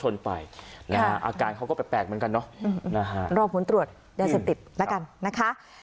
แล้วกันนะคะ